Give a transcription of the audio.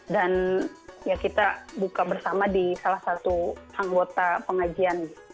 dan kita buka bersama di salah satu anggota pengajian